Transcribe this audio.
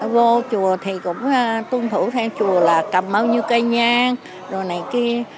vô chùa thì cũng tuân thủ theo chùa là cầm bao nhiêu cây nhan đồ này kia